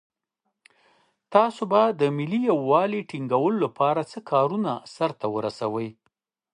تاسو به د ملي یووالي ټینګولو لپاره څه کارونه سرته ورسوئ.